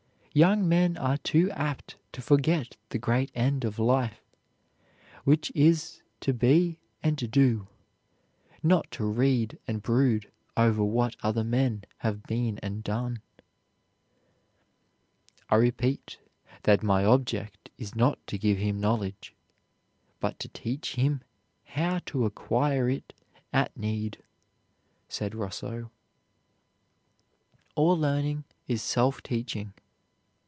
Young men are too apt to forget the great end of life, which is to be and do, not to read and brood over what other men have been and done." "I repeat that my object is not to give him knowledge, but to teach him how to acquire it at need," said Rousseau. All learning is self teaching.